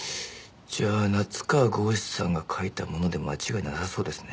じゃあ夏河郷士さんが書いたもので間違いなさそうですね。